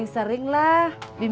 yaudah kalo gitu